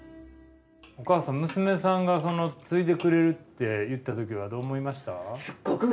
お母さん娘さんが継いでくれるって言ったときはどう思いました？